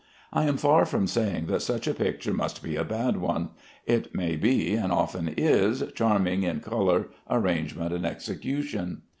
I am far from saying that such a picture must be a bad one. It may be, and often is, charming in color, arrangement, and execution.